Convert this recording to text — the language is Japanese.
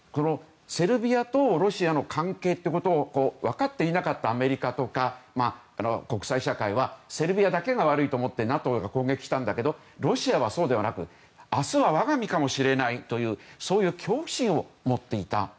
セルビアとロシアの関係ってことを分かっていなかったアメリカや国際社会はセルビアだけが悪いと思ってＮＡＴＯが攻撃したんだけどロシアはそうではなく明日は我が身かもしれないという恐怖心を持っていた。